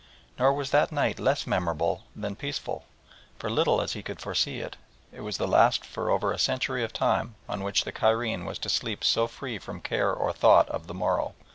Nor was that night less memorable than peaceful, for little as he could foresee it, it was the last for over a century of time on which the Cairene was to sleep so free from care or thought of the morrow.